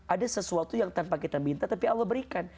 ada sesuatu yang tanpa kita minta tapi allah berikan